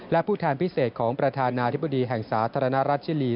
และผู้แทนพิเศษของประธานาธิบดีแห่งสาธารณรัฐชิลี